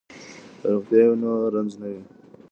که روغتیا وي نو رنځ نه وي.